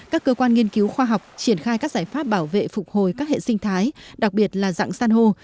các cơ quan nghiên cứu khoa học triển khai các giải pháp bảo vệ phục hồi các hệ sinh thái đặc biệt là dạng san hô